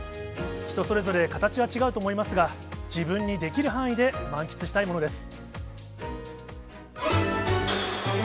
人それぞれ、形は違うと思いますが、自分にできる範囲で満喫したいものです。